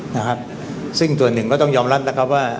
นะครับซึ่งส่วนหนึ่งก็ต้องยอมรับแล้วครับว่า